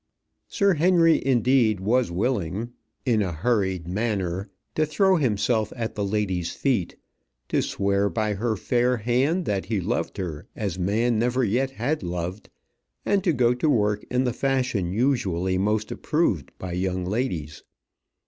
Sir Henry indeed was willing, in a hurried manner, to throw himself at the lady's feet, to swear by her fair hand that he loved her as man never yet had loved, and to go to work in the fashion usually most approved by young ladies.